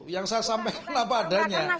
yang saya sampaikan apa adanya